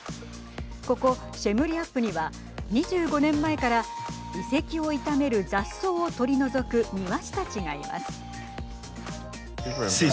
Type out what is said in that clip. ここシェムリアップには２５年前から遺跡を傷める雑草を取り除く庭師たちがいます。